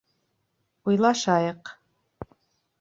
Уйлашайыҡ.